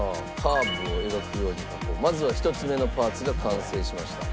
まずは１つ目のパーツが完成しました。